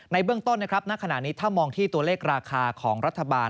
เบื้องต้นนะครับณขณะนี้ถ้ามองที่ตัวเลขราคาของรัฐบาล